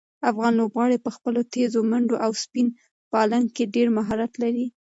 افغان لوبغاړي په خپلو تېزو منډو او سپین بالنګ کې ډېر مهارت لري.